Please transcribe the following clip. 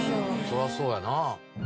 そりゃそうやな。